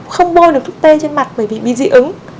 không bôi được thuốc t trên mặt bởi vì bị dị ứng